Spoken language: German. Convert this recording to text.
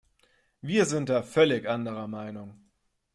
Wir sind da völlig anderer Meinung.